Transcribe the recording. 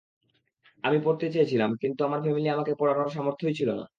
আমি পড়তে চেয়েছিলাম কিন্তু, আমার ফ্যামিলির আমাকে পড়ানোর সামর্থ্যই ছিল না।